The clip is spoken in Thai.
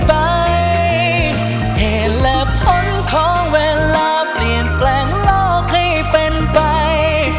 เหตุและผลของเวลาเปลี่ยนแปลงโลกให้เป็นไป